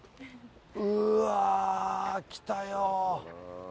うわー、来たよ。